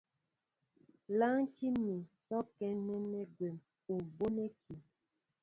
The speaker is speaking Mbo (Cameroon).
Lánkí mín sɔkɛ́ nɛ́nɛ́ gwɛ́ ú bonɛkí.